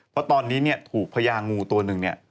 เพราะตอนนี้ถูกพยางงูตัวหนึ่ง